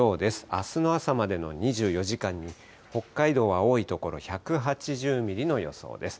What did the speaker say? あすの朝までの２４時間に北海道、多い所、１８０ミリの予想です。